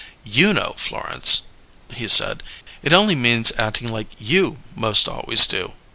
"You know, Florence," he said, "it only means acting like you most always do."